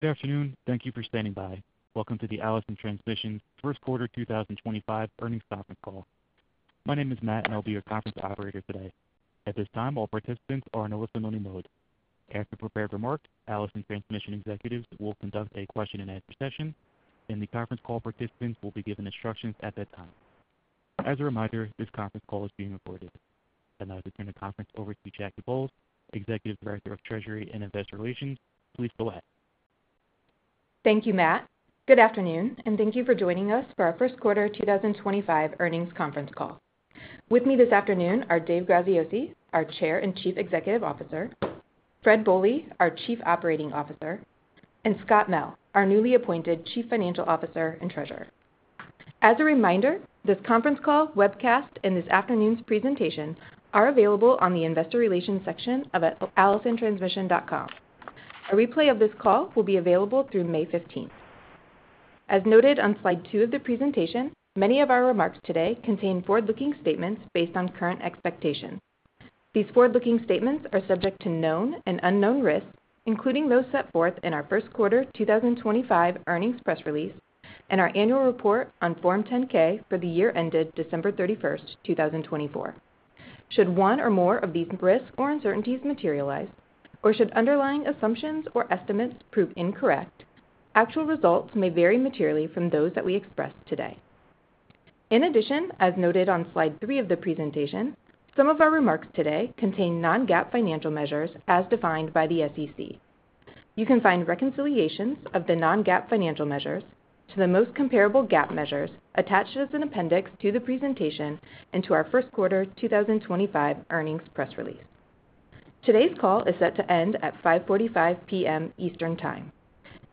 Good afternoon. Thank you for standing by. Welcome to the Allison Transmission First Quarter 2025 Earnings Conference Call. My name is Matt, and I'll be your conference operator today. At this time, all participants are in a listen-only mode. After the prepared remarks, Allison Transmission executives will conduct a question-and-answer session, and the conference call participants will be given instructions at that time. As a reminder, this conference call is being recorded. Now, to turn the conference over to Jackie Bolles, Executive Director of Treasury and Investor Relations, please go ahead. Thank you, Matt. Good afternoon, and thank you for joining us for our first quarter 2025 earnings conference call. With me this afternoon are Dave Graziosi, our Chair and Chief Executive Officer; Fred Bohley, our Chief Operating Officer; and Scott Mell, our newly appointed Chief Financial Officer and Treasurer. As a reminder, this conference call, webcast, and this afternoon's presentation are available on the Investor Relations section of allisontransmission.com. A replay of this call will be available through May 15. As noted on slide two of the presentation, many of our remarks today contain forward-looking statements based on current expectations. These forward-looking statements are subject to known and unknown risks, including those set forth in our first quarter 2025 earnings press release and our annual report on Form 10-K for the year ended December 31, 2024. Should one or more of these risks or uncertainties materialize, or should underlying assumptions or estimates prove incorrect, actual results may vary materially from those that we express today. In addition, as noted on slide three of the presentation, some of our remarks today contain non-GAAP financial measures as defined by the SEC. You can find reconciliations of the non-GAAP financial measures to the most comparable GAAP measures attached as an appendix to the presentation and to our first quarter 2025 earnings press release. Today's call is set to end at 5:45 P.M. Eastern Time.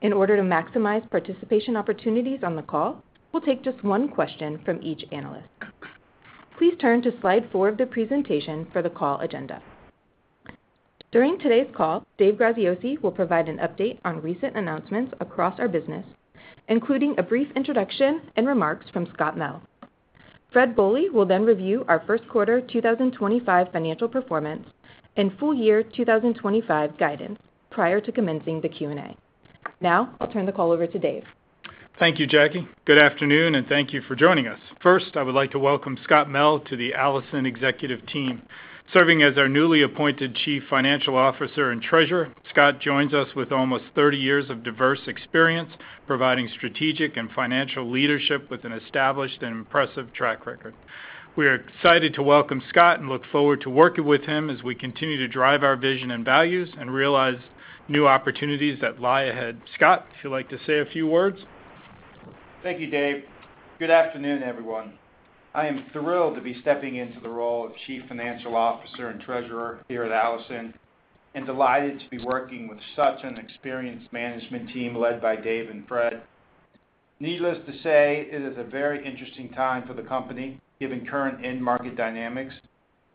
In order to maximize participation opportunities on the call, we'll take just one question from each analyst. Please turn to slide four of the presentation for the call agenda. During today's call, Dave Graziosi will provide an update on recent announcements across our business, including a brief introduction and remarks from Scott Mell. Fred Bohley will then review our first quarter 2025 financial performance and full year 2025 guidance prior to commencing the Q&A. Now, I'll turn the call over to Dave. Thank you, Jackie. Good afternoon, and thank you for joining us. First, I would like to welcome Scott Mell to the Allison Executive Team. Serving as our newly appointed Chief Financial Officer and Treasurer, Scott joins us with almost 30 years of diverse experience providing strategic and financial leadership with an established and impressive track record. We are excited to welcome Scott and look forward to working with him as we continue to drive our vision and values and realize new opportunities that lie ahead. Scott, if you'd like to say a few words. Thank you, Dave. Good afternoon, everyone. I am thrilled to be stepping into the role of Chief Financial Officer and Treasurer here at Allison and delighted to be working with such an experienced management team led by Dave and Fred. Needless to say, it is a very interesting time for the company given current end-market dynamics,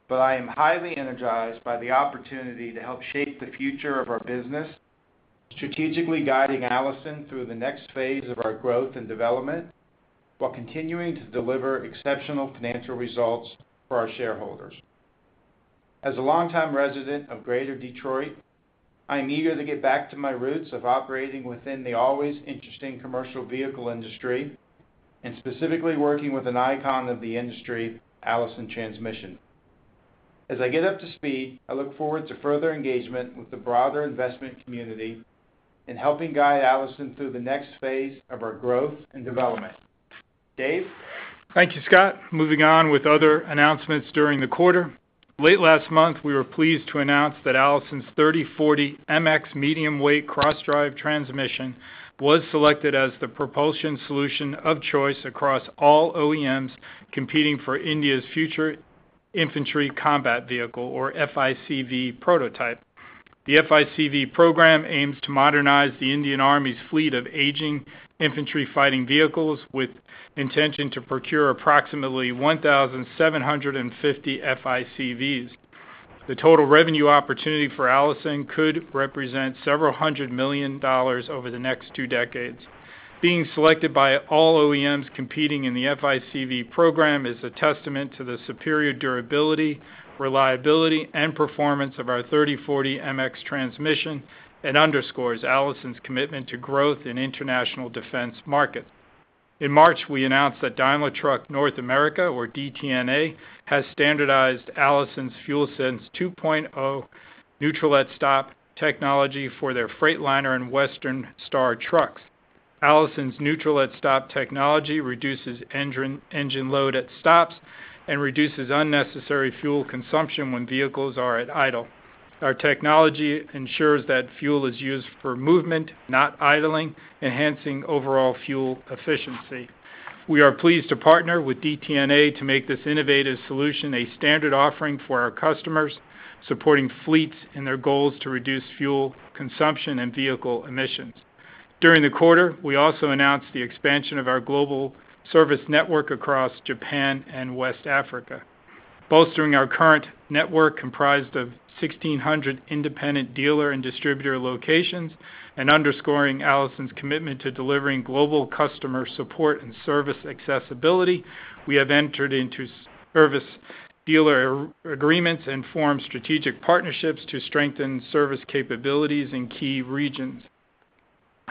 but I am highly energized by the opportunity to help shape the future of our business, strategically guiding Allison through the next phase of our growth and development while continuing to deliver exceptional financial results for our shareholders. As a longtime resident of Greater Detroit, I'm eager to get back to my roots of operating within the always interesting commercial vehicle industry and specifically working with an icon of the industry, Allison Transmission. As I get up to speed, I look forward to further engagement with the broader investment community in helping guide Allison through the next phase of our growth and development. Dave? Thank you, Scott. Moving on with other announcements during the quarter. Late last month, we were pleased to announce that Allison's 3040 MX medium-weight cross-drive transmission was selected as the propulsion solution of choice across all OEMs competing for India's Future Infantry Combat Vehicle, or FICV, prototype. The FICV program aims to modernize the Indian Army's fleet of aging infantry fighting vehicles with the intention to procure approximately 1,750 FICVs. The total revenue opportunity for Allison could represent several hundred million dollars over the next two decades. Being selected by all OEMs competing in the FICV program is a testament to the superior durability, reliability, and performance of our 3040 MX transmission and underscores Allison's commitment to growth in international defense markets. In March, we announced that Daimler Truck North America, or DTNA, has standardized Allison's FuelSense 2.0 Neutral at Stop technology for their Freightliner and Western Star trucks. Allison's Neutral at Stop technology reduces engine load at stops and reduces unnecessary fuel consumption when vehicles are at idle. Our technology ensures that fuel is used for movement, not idling, enhancing overall fuel efficiency. We are pleased to partner with DTNA to make this innovative solution a standard offering for our customers, supporting fleets in their goals to reduce fuel consumption and vehicle emissions. During the quarter, we also announced the expansion of our global service network across Japan and West Africa, bolstering our current network comprised of 1,600 independent dealer and distributor locations and underscoring Allison's commitment to delivering global customer support and service accessibility. We have entered into service dealer agreements and formed strategic partnerships to strengthen service capabilities in key regions.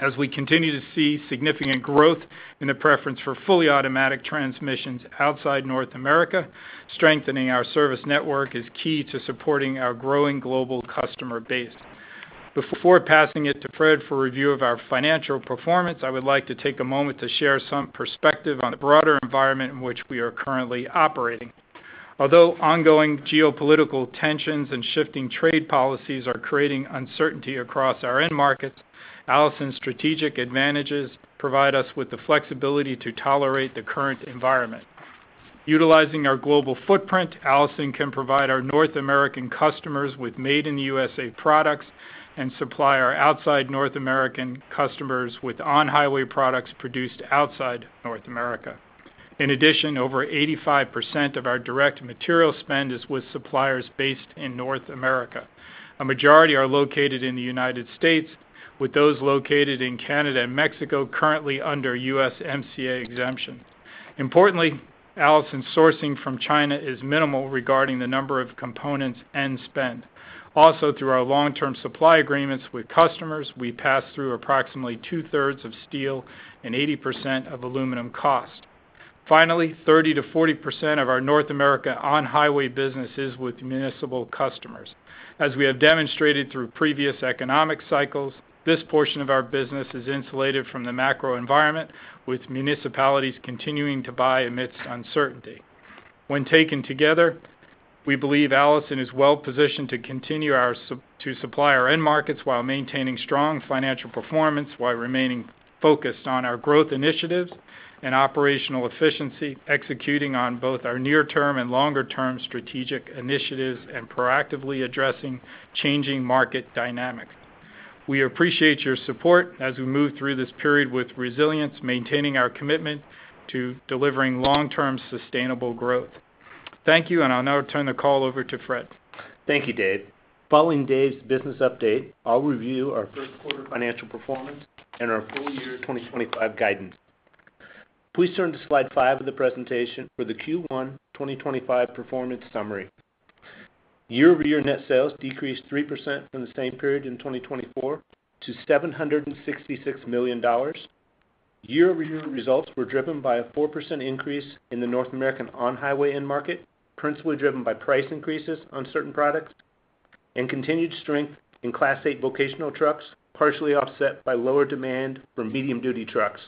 As we continue to see significant growth in the preference for fully automatic transmissions outside North America, strengthening our service network is key to supporting our growing global customer base. Before passing it to Fred for review of our financial performance, I would like to take a moment to share some perspective on the broader environment in which we are currently operating. Although ongoing geopolitical tensions and shifting trade policies are creating uncertainty across our end markets, Allison's strategic advantages provide us with the flexibility to tolerate the current environment. Utilizing our global footprint, Allison can provide our North American customers with made-in-the-USA products and supply our outside North American customers with On-Highway products produced outside North America. In addition, over 85% of our direct material spend is with suppliers based in North America. A majority are located in the United States, with those located in Canada and Mexico currently under USMCA exemption. Importantly, Allison's sourcing from China is minimal regarding the number of components and spend. Also, through our long-term supply agreements with customers, we pass through approximately two-thirds of steel and 80% of aluminum cost. Finally, 30 to 40% of our North America On-Highway business is with municipal customers. As we have demonstrated through previous economic cycles, this portion of our business is insulated from the macro environment, with municipalities continuing to buy amidst uncertainty. When taken together, we believe Allison is well positioned to continue to supply our end markets while maintaining strong financial performance while remaining focused on our growth initiatives and operational efficiency, executing on both our near-term and longer-term strategic initiatives and proactively addressing changing market dynamics. We appreciate your support as we move through this period with resilience, maintaining our commitment to delivering long-term sustainable growth. Thank you, and I'll now turn the call over to Fred. Thank you, Dave. Following Dave's business update, I'll review our first quarter financial performance and our full year 2025 guidance. Please turn to slide five of the presentation for the Q1 2025 performance summary. Year-over-year net sales decreased 3% from the same period in 2024 to $766 million. Year-over-year results were driven by a 4% increase in the North American On-Highway end market, principally driven by price increases on certain products and continued strength in Class 8 vocational trucks, partially offset by lower demand for medium-duty trucks.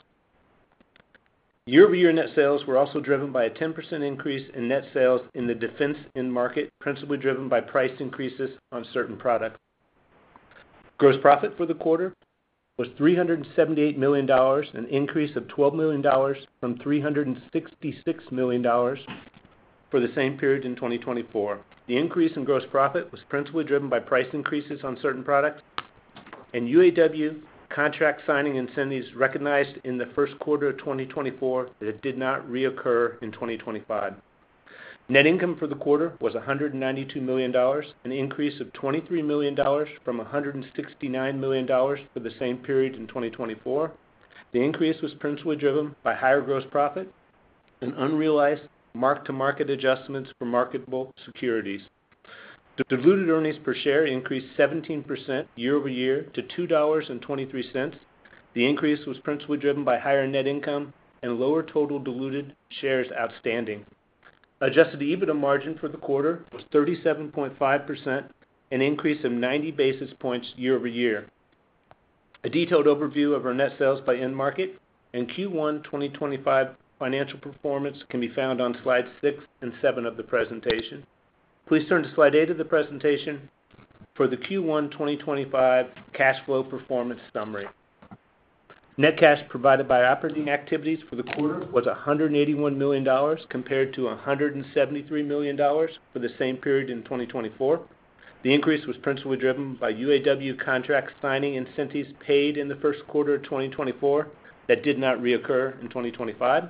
Year-over-year net sales were also driven by a 10% increase in net sales in the Defense end market, principally driven by price increases on certain products. Gross profit for the quarter was $378 million, an increase of $12 million from $366 million for the same period in 2024. The increase in gross profit was principally driven by price increases on certain products, and UAW contract signing incentives recognized in the first quarter of 2024 that it did not reoccur in 2025. Net income for the quarter was $192 million, an increase of $23 million from $169 million for the same period in 2024. The increase was principally driven by higher gross profit and unrealized mark-to-market adjustments for marketable securities. Diluted earnings per share increased 17% year-over-year to $2.23. The increase was principally driven by higher net income and lower total diluted shares outstanding. Adjusted EBITDA margin for the quarter was 37.5%, an increase of 90 basis points year-over-year. A detailed overview of our net sales by end market and Q1 2025 financial performance can be found on slides six and seven of the presentation. Please turn to slide eight of the presentation for the Q1 2025 cash flow performance summary. Net cash provided by operating activities for the quarter was $181 million compared to $173 million for the same period in 2024. The increase was principally driven by UAW contract signing and spending paid in the first quarter of 2024 that did not reoccur in 2025.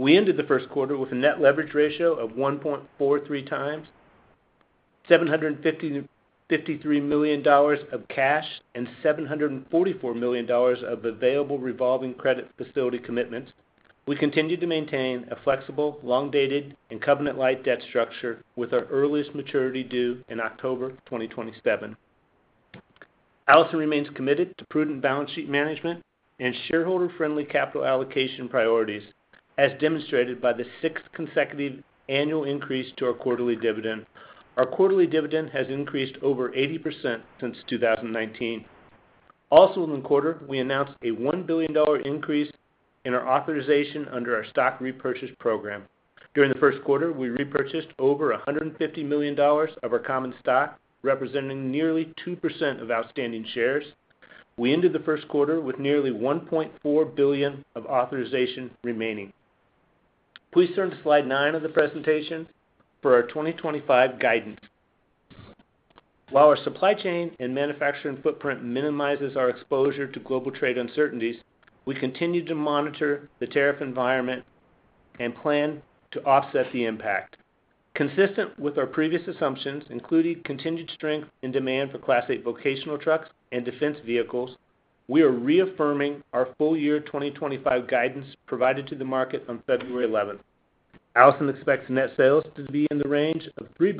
We ended the first quarter with a net leverage ratio of 1.43 times, $753 million of cash and $744 million of available revolving credit facility commitments. We continue to maintain a flexible, long-dated, and covenant-light debt structure with our earliest maturity due in October 2027. Allison remains committed to prudent balance sheet management and shareholder-friendly capital allocation priorities, as demonstrated by the sixth consecutive annual increase to our quarterly dividend. Our quarterly dividend has increased over 80% since 2019. Also, in the quarter, we announced a $1 billion increase in our authorization under our stock repurchase program. During the first quarter, we repurchased over $150 million of our common stock, representing nearly 2% of outstanding shares. We ended the first quarter with nearly $1.4 billion of authorization remaining. Please turn to slide nine of the presentation for our 2025 guidance. While our supply chain and manufacturing footprint minimizes our exposure to global trade uncertainties, we continue to monitor the tariff environment and plan to offset the impact. Consistent with our previous assumptions, including continued strength in demand for Class 8 vocational trucks and Defense vehicles, we are reaffirming our full year 2025 guidance provided to the market on February 11th. Allison expects net sales to be in the range of $3.2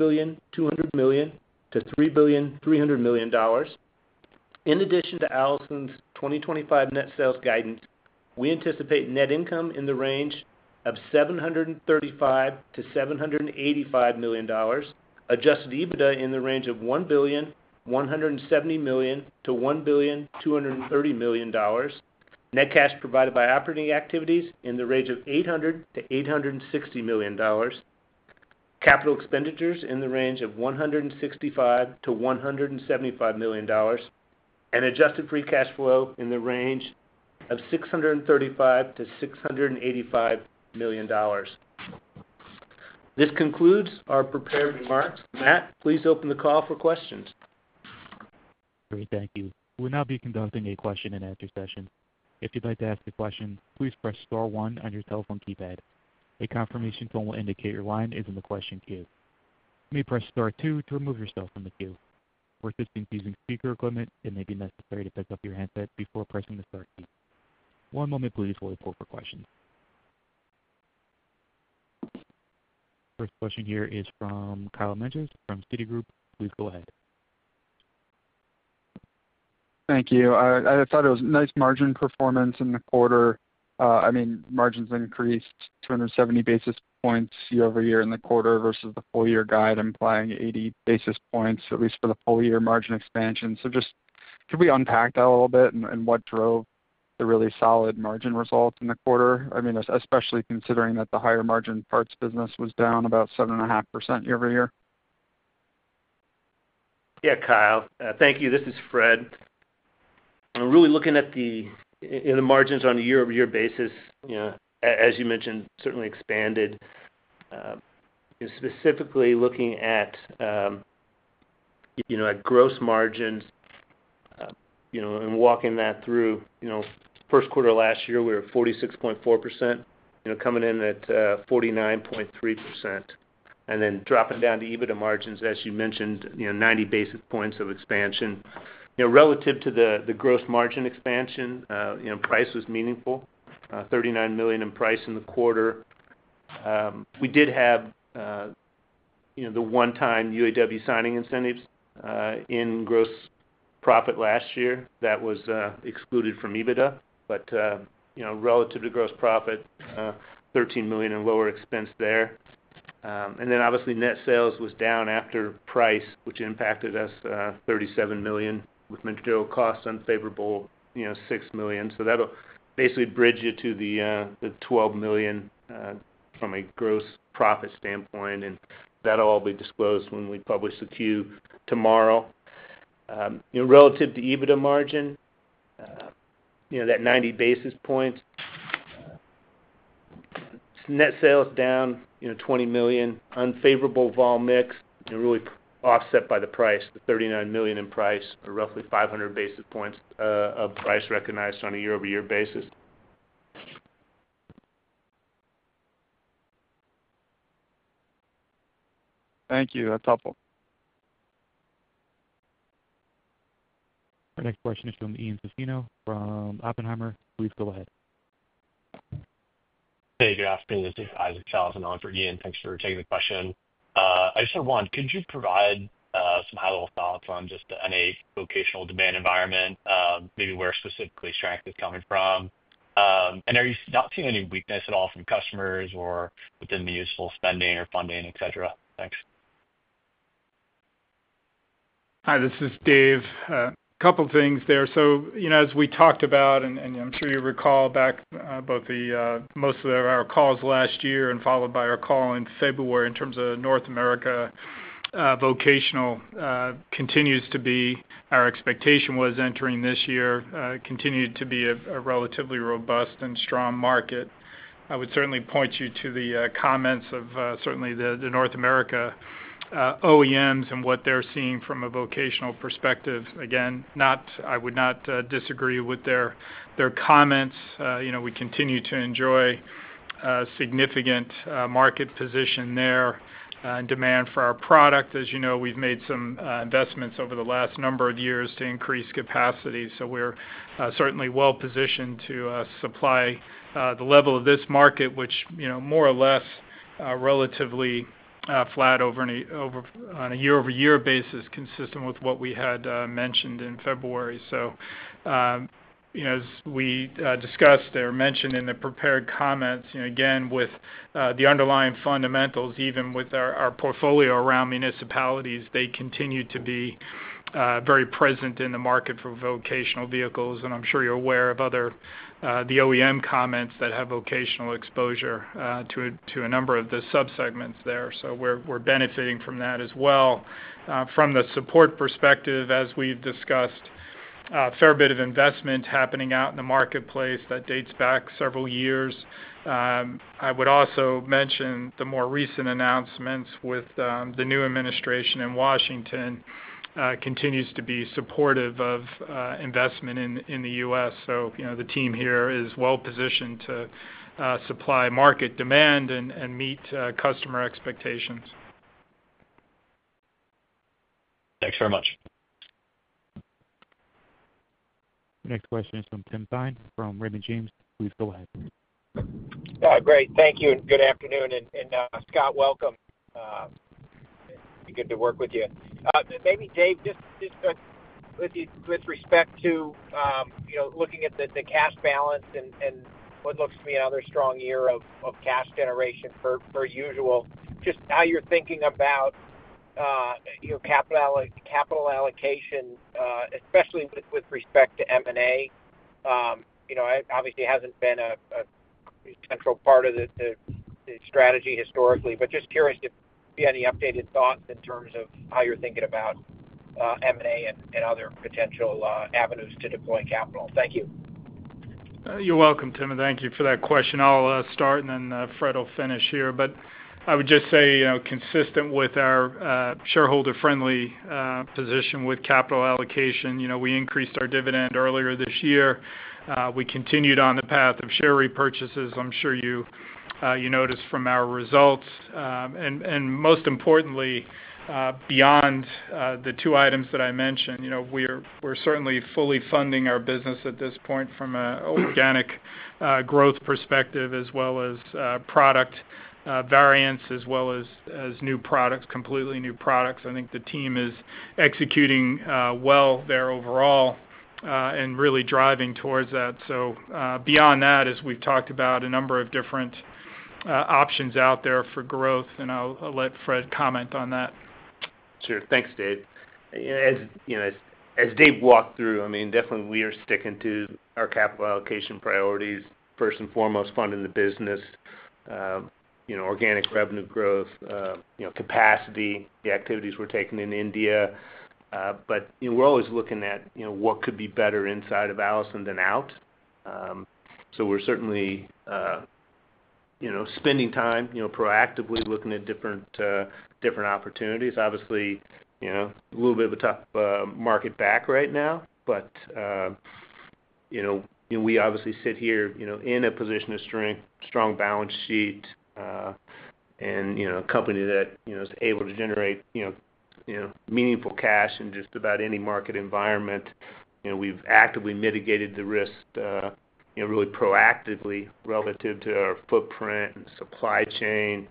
billion to $3.3 billion. In addition to Allison's 2025 net sales guidance, we anticipate net income in the range of $735 to $785 million, adjusted EBITDA in the range of $1,170 billion to $1,230 billion, net cash provided by operating activities in the range of $800 million to $860 million, capital expenditures in the range of $165 million to $175 million, and adjusted free cash flow in the range of $635 million to $685 million. This concludes our prepared remarks. Matt, please open the call for questions. Thank you. We will now be conducting a question-and-answer session. If you'd like to ask a question, please press star one on your telephone keypad. A confirmation tone will indicate your line is in the question queue. You may press star two to remove yourself from the queue. For assistance using speaker equipment, it may be necessary to pick up your handset before pressing the Star key. One moment, please, while we pull up for questions. First question here is from Kyle Menges from Citigroup. Please go ahead. Thank you. I thought it was nice margin performance in the quarter. I mean, margins increased 270 basis points year-over-year in the quarter versus the full year guide, implying 80 basis points, at least for the full year margin expansion. Just could we unpack that a little bit and what drove the really solid margin result in the quarter? I mean, especially considering that the higher margin parts business was down about 7.5% year-over-year. Yeah, Kyle, thank you. This is Fred. I'm really looking at the margins on a year-over-year basis. As you mentioned, certainly expanded. Specifically looking at gross margins and walking that through, first quarter last year, we were at 46.4%, coming in at 49.3%, and then dropping down to EBITDA margins, as you mentioned, 90 basis points of expansion. Relative to the gross margin expansion, price was meaningful, $39 million in price in the quarter. We did have the one-time UAW signing incentives in gross profit last year that was excluded from EBITDA, but relative to gross profit, $13 million in lower expense there. Obviously, net sales was down after price, which impacted us $37 million, with material costs unfavorable, $6 million. That'll basically bridge it to the $12 million from a gross profit standpoint, and that'll all be disclosed when we publish the queue tomorrow. Relative to EBITDA margin, that 90 basis points, net sales down $20 million, unfavorable vol mix, really offset by the price, the $39 million in price, or roughly 500 basis points of price recognized on a year-over-year basis. Thank you. That's helpful. Our next question is from Ian Zaffino from Oppenheimer. Please go ahead. Hey, good afternoon. This is Isaac Sellhausen on for Ian. Thanks for taking the question. I just had one. Could you provide some high-level thoughts on just the NA vocational demand environment, maybe where specifically strength is coming from? Are you not seeing any weakness at all from customers or within the useful spending or funding, etc.? Thanks. Hi, this is Dave. A couple of things there. As we talked about, and I'm sure you recall back both most of our calls last year and followed by our call in February in terms of North America vocational continues to be our expectation was entering this year, continued to be a relatively robust and strong market. I would certainly point you to the comments of certainly the North America OEMs and what they're seeing from a vocational perspective. Again, I would not disagree with their comments. We continue to enjoy significant market position there and demand for our product. As you know, we've made some investments over the last number of years to increase capacity. We are certainly well positioned to supply the level of this market, which more or less relatively flat on a year-over-year basis, consistent with what we had mentioned in February. As we discussed or mentioned in the prepared comments, again, with the underlying fundamentals, even with our portfolio around municipalities, they continue to be very present in the market for vocational vehicles. I'm sure you're aware of the OEM comments that have vocational exposure to a number of the subsegments there. We're benefiting from that as well. From the support perspective, as we've discussed, a fair bit of investment happening out in the marketplace that dates back several years. I would also mention the more recent announcements with the new administration in Washington continues to be supportive of investment in the U.S. The team here is well positioned to supply market demand and meet customer expectations. Thanks very much. Next question is from Tim Thein from Raymond James. Please go ahead. Great. Thank you. Good afternoon. Scott, welcome. Good to work with you. Maybe, Dave, just with respect to looking at the cash balance and what looks to be another strong year of cash generation per usual, just how you're thinking about capital allocation, especially with respect to M&A. Obviously, it hasn't been a central part of the strategy historically, but just curious if there'd be any updated thoughts in terms of how you're thinking about M&A and other potential avenues to deploy capital? Thank you. You're welcome, Tim. Thank you for that question. I'll start, then Fred will finish here. I would just say, consistent with our shareholder-friendly position with capital allocation, we increased our dividend earlier this year. We continued on the path of share repurchases. I'm sure you noticed from our results. Most importantly, beyond the two items that I mentioned, we're certainly fully funding our business at this point from an organic growth perspective, as well as product variants, as well as completely new products. I think the team is executing well there overall and really driving towards that. Beyond that, as we've talked about, a number of different options out there for growth, I'll let Fred comment on that. Sure. Thanks, Dave. As Dave walked through, I mean, definitely we are sticking to our capital allocation priorities, first and foremost, funding the business, organic revenue growth, capacity, the activities we're taking in India. We are always looking at what could be better inside of Allison than out. We are certainly spending time proactively looking at different opportunities. Obviously, a little bit of a tough market back right now, but we obviously sit here in a position of strength, strong balance sheet, and a company that is able to generate meaningful cash in just about any market environment. We have actively mitigated the risk really proactively relative to our footprint and supply chain.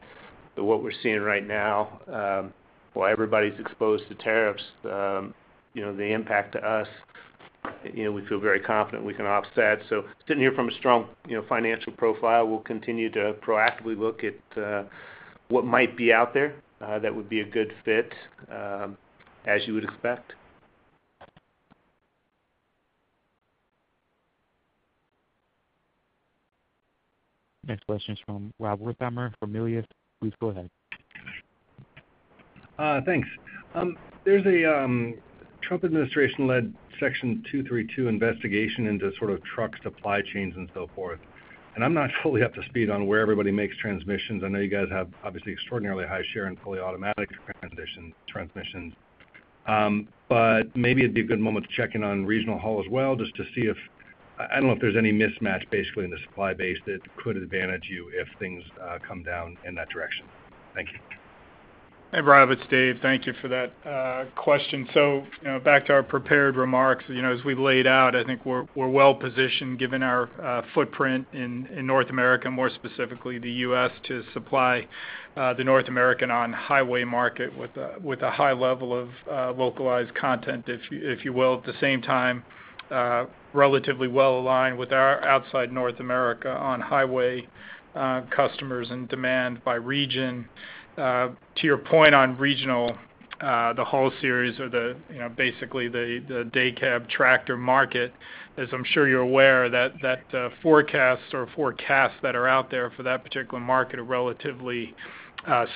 What we're seeing right now, while everybody's exposed to tariffs, the impact to us, we feel very confident we can offset. Sitting here from a strong financial profile, we'll continue to proactively look at what might be out there that would be a good fit, as you would expect. Next question is from Rob Wertheimer from Melius. Please go ahead. Thanks. There is a Trump administration-led Section 232 investigation into sort of truck supply chains and so forth. I am not fully up to speed on where everybody makes transmissions. I know you guys have obviously extraordinarily high share in fully automatic transmissions. Maybe it would be a good moment to check in on Regional Haul as well, just to see if I do not know if there is any mismatch basically in the supply base that could advantage you if things come down in that direction. Thank you. Hey, Rob, it's Dave. Thank you for that question. Back to our prepared remarks. As we laid out, I think we're well positioned given our footprint in North America, more specifically the U.S., to supply the North American On-Highway market with a high level of localized content, if you will. At the same time, relatively well aligned with our outside North America On-Highway customers and demand by region. To your point on regional, the haul series or basically the day cab tractor market, as I'm sure you're aware, that forecasts or forecasts that are out there for that particular market are relatively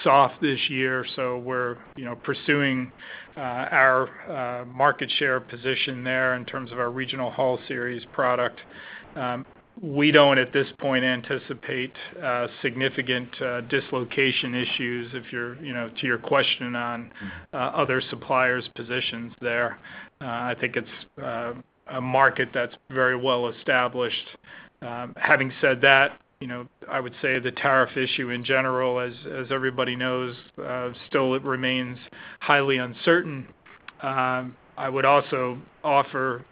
soft this year. We're pursuing our market share position there in terms of our Regional Haul Series product. We don't, at this point, anticipate significant dislocation issues. To your question on other suppliers' positions there, I think it's a market that's very well established. Having said that, I would say the tariff issue in general, as everybody knows, still remains highly uncertain. I would also offer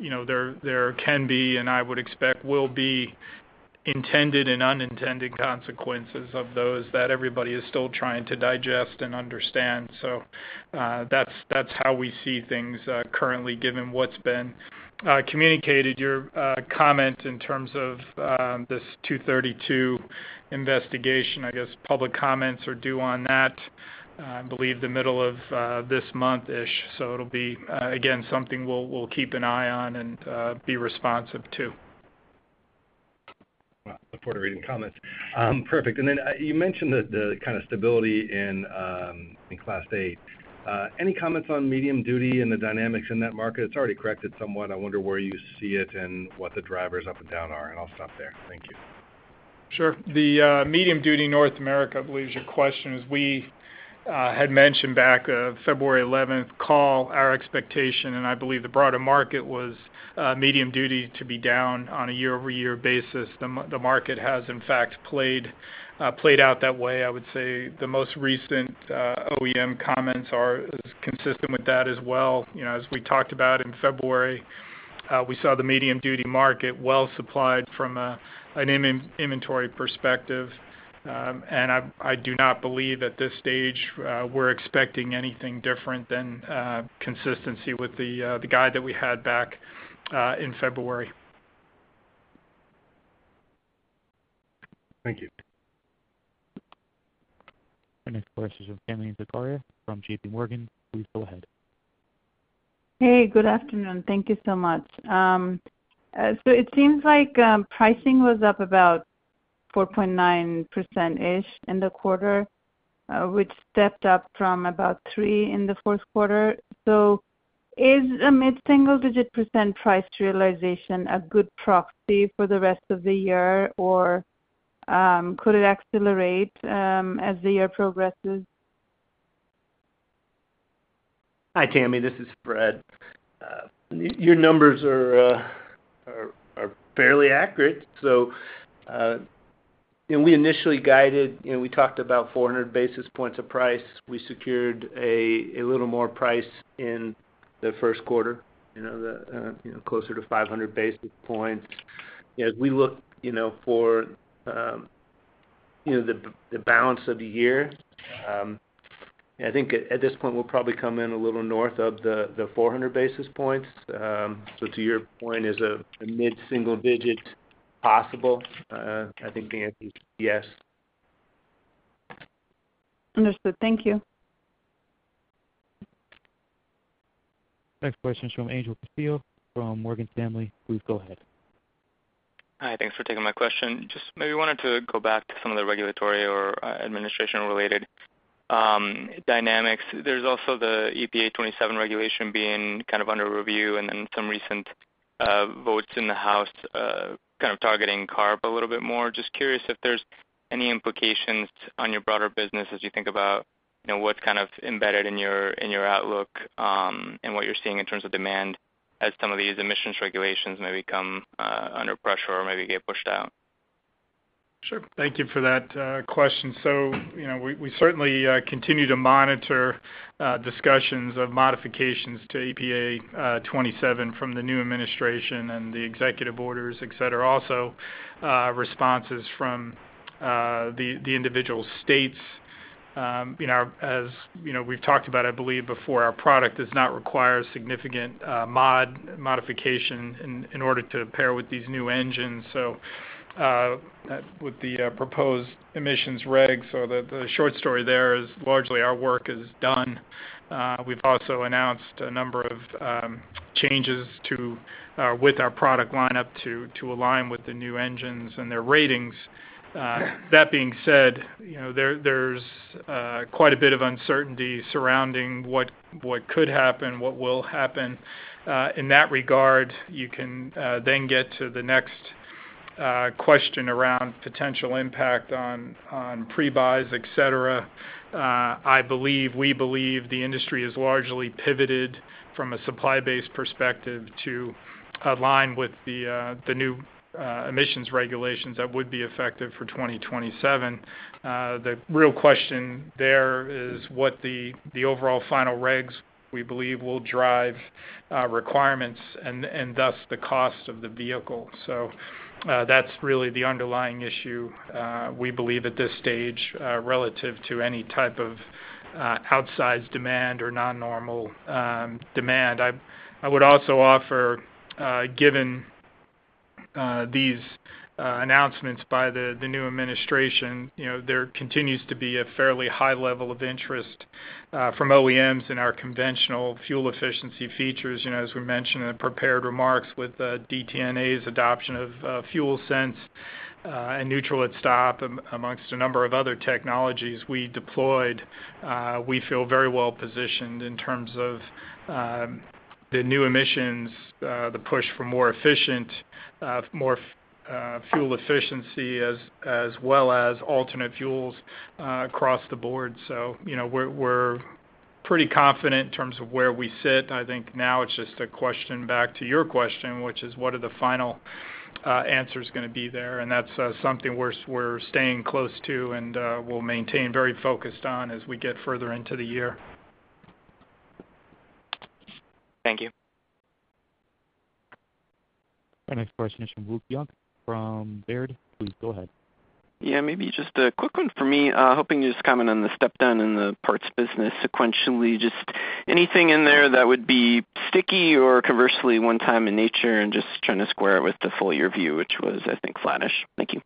there can be, and I would expect will be, intended and unintended consequences of those that everybody is still trying to digest and understand. That is how we see things currently, given what has been communicated. Your comment in terms of this 232 investigation, I guess public comments are due on that, I believe, the middle of this month-ish. It will be, again, something we will keep an eye on and be responsive to. Look forward to reading comments. Perfect. You mentioned the kind of stability in Class 8. Any comments on medium duty and the dynamics in that market? It's already corrected somewhat. I wonder where you see it and what the drivers up and down are. I'll stop there. Thank you. Sure. The medium duty North America, I believe is your question, as we had mentioned back February 11th, call our expectation. I believe the broader market was medium duty to be down on a year-over-year basis. The market has, in fact, played out that way. I would say the most recent OEM comments are consistent with that as well. As we talked about in February, we saw the medium duty market well supplied from an inventory perspective. I do not believe at this stage we're expecting anything different than consistency with the guide that we had back in February. Thank you. Next question is from Tami Zakaria from J.P. Morgan. Please go ahead. Hey, good afternoon. Thank you so much. It seems like pricing was up about 4.9% in the quarter, which stepped up from about 3% in the fourth quarter. Is a mid-single-digit % price realization a good proxy for the rest of the year, or could it accelerate as the year progresses? Hi, Tami. This is Fred. Your numbers are fairly accurate. We initially guided, we talked about 400 basis points of price. We secured a little more price in the first quarter, closer to 500 basis points. As we look for the balance of the year, I think at this point, we will probably come in a little north of the 400 basis points. To your point, is a mid-single digit possible? I think the answer is yes. Understood. Thank you. Next question is from Angel Castillo from Morgan Stanley. Please go ahead. Hi. Thanks for taking my question. Just maybe wanted to go back to some of the regulatory or administration-related dynamics. There's also the EPA 27 regulation being kind of under review and then some recent votes in the House kind of targeting CARB a little bit more. Just curious if there's any implications on your broader business as you think about what's kind of embedded in your outlook and what you're seeing in terms of demand as some of these emissions regulations maybe come under pressure or maybe get pushed out. Sure. Thank you for that question. We certainly continue to monitor discussions of modifications to EPA 27 from the new administration and the executive orders, etc. Also responses from the individual states. As we have talked about, I believe before, our product does not require significant modification in order to pair with these new engines. With the proposed emissions regs, the short story there is largely our work is done. We have also announced a number of changes with our product lineup to align with the new engines and their ratings. That being said, there is quite a bit of uncertainty surrounding what could happen, what will happen. In that regard, you can then get to the next question around potential impact on pre-buys, etc. I believe we believe the industry has largely pivoted from a supply-based perspective to align with the new emissions regulations that would be effective for 2027. The real question there is what the overall final regs we believe will drive requirements and thus the cost of the vehicle. That's really the underlying issue we believe at this stage relative to any type of outsized demand or non-normal demand. I would also offer, given these announcements by the new administration, there continues to be a fairly high level of interest from OEMs in our conventional fuel efficiency features. As we mentioned in the prepared remarks with DTNA's adoption of FuelSense and Neutral at Stop amongst a number of other technologies we deployed, we feel very well positioned in terms of the new emissions, the push for more efficient, more fuel efficiency, as well as alternate fuels across the board. We're pretty confident in terms of where we sit. I think now it's just a question back to your question, which is what are the final answers going to be there? That's something we're staying close to and we'll maintain very focused on as we get further into the year. Thank you. Next question is from Luke Junk from Baird. Please go ahead. Yeah, maybe just a quick one for me. Hoping you just comment on the step down in the parts business sequentially. Just anything in there that would be sticky or conversely one-time in nature and just trying to square it with the full year view, which was, I think, flattish. Thank you.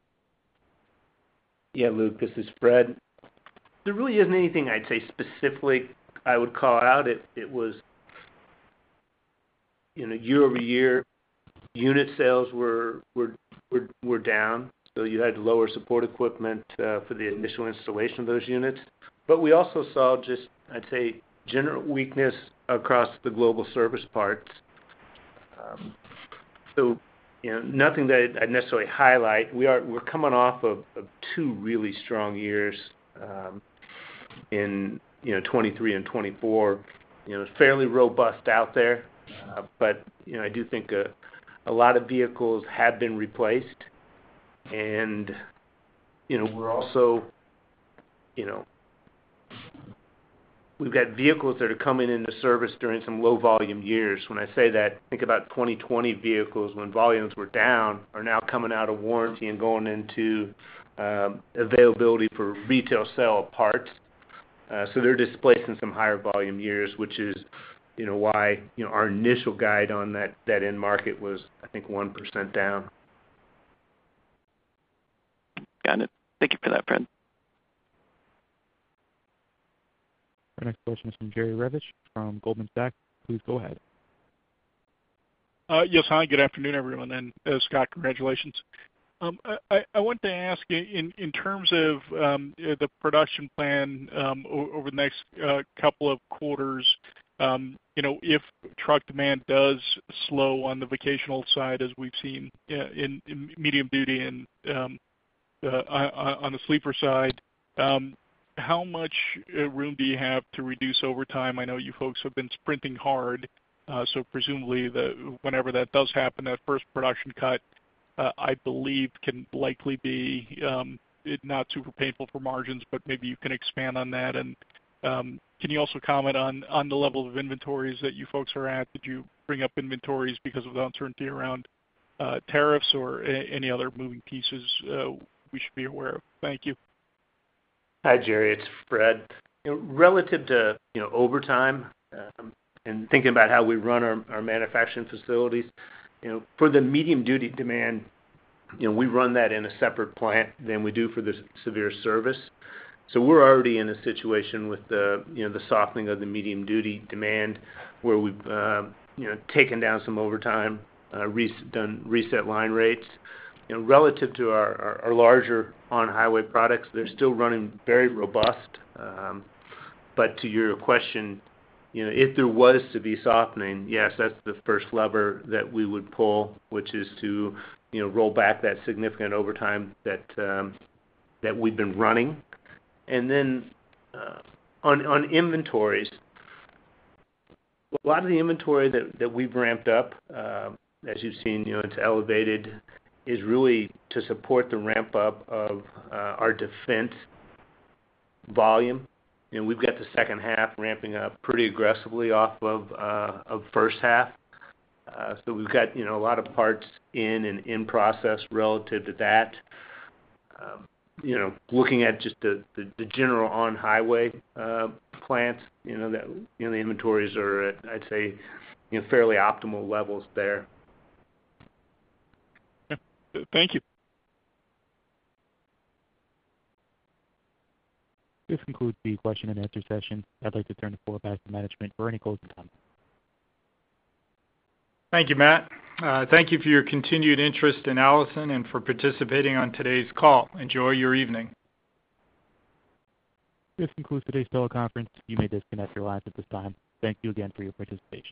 Yeah, Luke, this is Fred. There really isn't anything I'd say specifically I would call out. It was year-over-year unit sales were down. You had lower support equipment for the initial installation of those units. We also saw just, I'd say, general weakness across the global service parts. Nothing that I'd necessarily highlight. We're coming off of two really strong years in 2023 and 2024. It's fairly robust out there. I do think a lot of vehicles have been replaced. We've got vehicles that are coming into service during some low-volume years. When I say that, think about 2020 vehicles when volumes were down are now coming out of warranty and going into availability for retail sale of parts. They're displacing some higher volume years, which is why our initial guide on that end market was, I think, 1% down. Got it. Thank you for that, Fred. Next question is from Jerry Revich from Goldman Sachs. Please go ahead. Yes, hi. Good afternoon, everyone. Scott, congratulations. I wanted to ask in terms of the production plan over the next couple of quarters, if truck demand does slow on the vocational side as we've seen in medium duty and on the sleeper side, how much room do you have to reduce overtime? I know you folks have been sprinting hard. Presumably, whenever that does happen, that first production cut, I believe, can likely be not super painful for margins, but maybe you can expand on that. Can you also comment on the level of inventories that you folks are at? Did you bring up inventories because of the uncertainty around tariffs or any other moving pieces we should be aware of? Thank you. Hi, Jerry. It's Fred. Relative to overtime and thinking about how we run our manufacturing facilities, for the medium-duty demand, we run that in a separate plant than we do for the severe service. We are already in a situation with the softening of the medium-duty demand where we have taken down some overtime, done reset line rates. Relative to our larger On-Highway products, they are still running very robust. To your question, if there was to be softening, yes, that is the first lever that we would pull, which is to roll back that significant overtime that we have been running. On inventories, a lot of the inventory that we have ramped up, as you have seen, it is elevated, is really to support the ramp-up of our Defense volume. We have got the second half ramping up pretty aggressively off of first half. We have got a lot of parts in and in process relative to that. Looking at just the general On-Highway plants, the inventories are, I would say, fairly optimal levels there. Thank you. This concludes the question and answer session. I'd like to turn the floor back to management for any closing comments. Thank you, Matt. Thank you for your continued interest in Allison and for participating on today's call. Enjoy your evening. This concludes today's teleconference. You may disconnect your lines at this time. Thank you again for your participation.